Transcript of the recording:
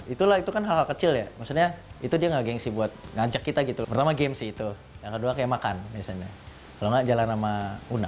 itulah itu kan hal hal kecil ya maksudnya itu dia gak gengsi buat ngajak kita gitu pertama game sih itu yang kedua kayak makan misalnya kalo gak jalan sama una